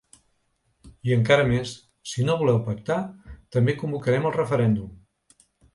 I encara més: Si no voleu pactar, també convocarem el referèndum.